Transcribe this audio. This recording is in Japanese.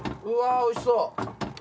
うわぁおいしそう！